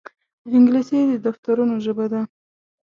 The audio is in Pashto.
انګلیسي د دفترونو ژبه ده